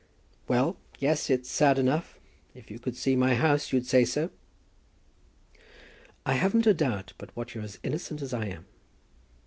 "Well, yes, it's sad enough. If you could see my house, you'd say so." "I haven't a doubt but what you're as innocent as I am."